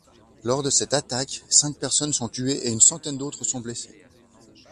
Lors de cette attaque, cinq personnes sont tuées et une centaine d'autres sont blessées.